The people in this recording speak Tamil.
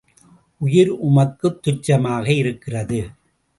உயிர் உமக்குத் துச்சமாக இருக்கிறது.